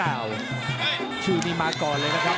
โอ้คุณที่สุดนะครับ